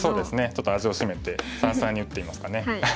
ちょっと味をしめて三々に打ってみますかね。